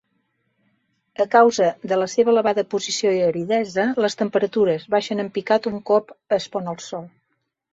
A causa de la seva elevada posició i aridesa, les temperatures baixen en picat un cop es pon el sol.